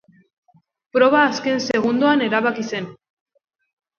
Proba azken segundoan erabaki zen.